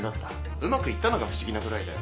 うまくいったのが不思議なぐらいだよ。